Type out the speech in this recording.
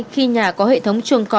khi nhà có hệ thống trường cơ